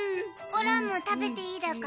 オラも食べていいだか？